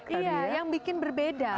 iya yang bikin berbeda